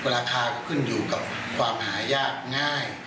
ราคาก็ขึ้นอยู่กับความหายากง่าย